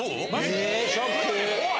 えショック。